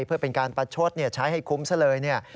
เพื่อเป็นการปัชชดใช้ให้คุ้มซะเลย